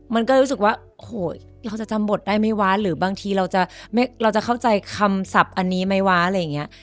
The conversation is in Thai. มันก็รู้สึกว่าโอ้โหเราจะจำบทได้ไหมวะหรือบางทีเราจะเข้าใจคำศัพท์อันนี้ไหมวะอะไรอย่างนี้